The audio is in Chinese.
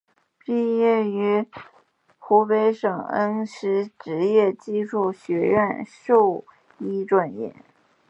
毕业于湖北省恩施职业技术学院兽医专业。